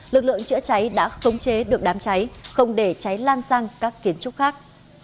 lực lượng chữa cháy đã khống chế được đám cháy không để cháy lan sang các kiến trúc khác